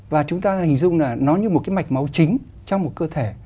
và chúng ta hình dung là nó như một cái mạch máu chính trong một cơ thể